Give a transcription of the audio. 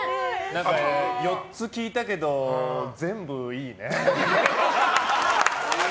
４つ聞いたけど全部いいね。